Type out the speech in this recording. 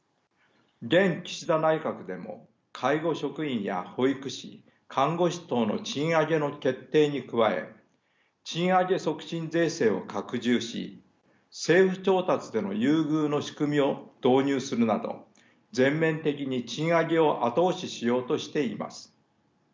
現岸田内閣でも介護職員や保育士看護師等の賃上げの決定に加え賃上げ促進税制を拡充し政府調達での優遇の仕組みを導入するなど全面的に賃上げを後押ししようとしています。